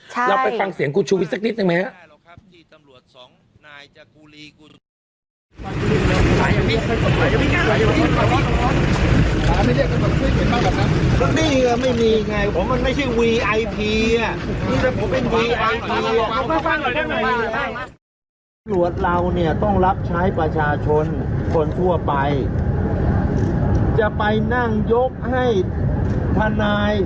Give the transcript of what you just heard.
แล้วไปฟังเสียงกูชูวิสักนิดนึงไหม